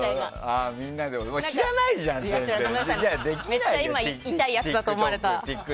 めっちゃ今痛いやつだと思われた。